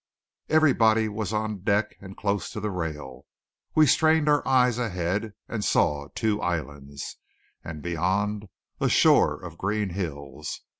Everybody was on deck and close to the rail. We strained our eyes ahead; and saw two islands, and beyond a shore of green hills.